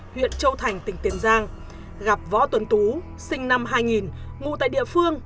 huyện châu thành tỉnh tiền giang gặp võ tuấn tú sinh năm hai nghìn